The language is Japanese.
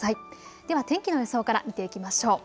では天気の予想から見ていきましょう。